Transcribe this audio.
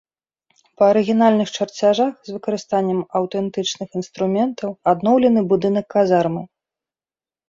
Па арыгінальных чарцяжах з выкарыстаннем аўтэнтычных інструментаў адноўлены будынак казармы.